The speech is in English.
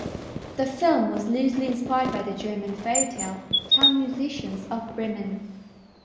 The film was loosely inspired by the German fairy tale "Town Musicians of Bremen".